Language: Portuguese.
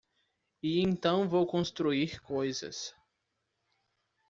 E então eu vou construir coisas.